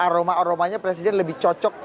aroma aromanya presiden lebih cocok